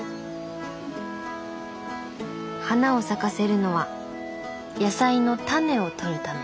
花を咲かせるのは野菜の「タネ」をとるため。